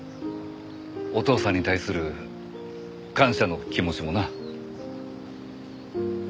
お父さんに対する感謝の気持ちもな。